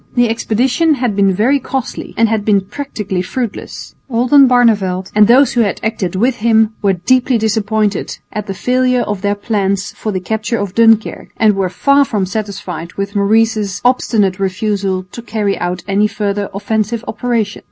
The expedition had been very costly and had been practically fruitless. Oldenbarneveldt and those who had acted with him were deeply disappointed at the failure of their plans for the capture of Dunkirk and were far from satisfied with Maurice's obstinate refusal to carry out any further offensive operations.